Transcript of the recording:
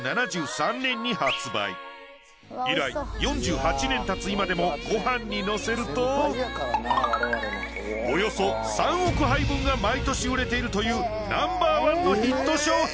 以来４８年たつ今でもごはんにのせるとおよそ３億杯分が毎年売れているというナンバーワンのヒット商品。